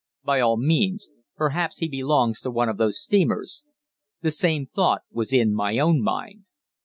"'By all means. Perhaps he belongs to one of those steamers.' The same thought was in my own mind.